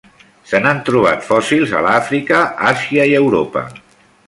Se n'han trobat fòssils a Àfrica, Àsia i Europa.